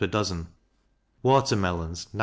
per dozen; water melons 9d.